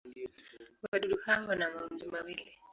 Wadudu hawa wana maumbo mawili.